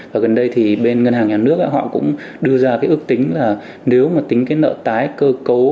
và gần đây thì bên ngân hàng nhà nước họ cũng đưa ra cái ước tính là nếu mà tính cái nợ tái cơ cấu